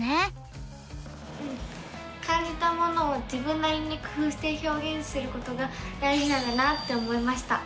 うん感じたものを自分なりに工ふうしてひょうげんすることが大じなんだなって思いました！